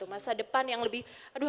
masa depan yang lebih